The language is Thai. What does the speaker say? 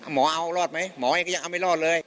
หมอเอารอดไหมหมอเองก็ยังเอาไม่รอดเลย